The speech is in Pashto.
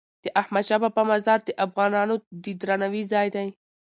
د احمدشاه بابا مزار د افغانانو د درناوي ځای دی.